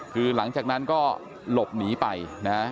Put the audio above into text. คือหลังจากนั้นก็หลบหนีไปนะ